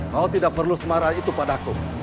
kau tidak perlu semara itu padaku